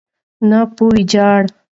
نه په ویجاړۍ.